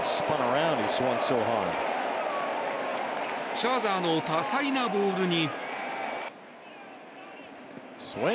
シャーザーの多彩なボールに。